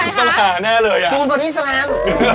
ต้องกินตลาดแน่เลยอะใครคะดูเบอร์ดี้แซลาม